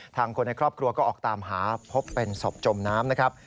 ทางคนในครอบครัวก็ออกตามหาพบเป็นศพจมน้ำ